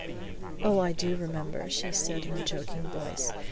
"Oh, I do remember," she said in a choking voice.